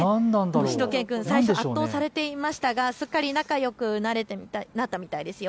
しゅと犬くん、最初、圧倒されていましたがすっかり仲よくなったみたいですよ。